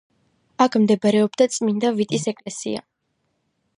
აქ მდებარეობდა წმინდა ვიტის ეკლესია.